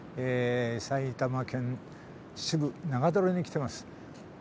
埼玉県秩父長瀞に来てます。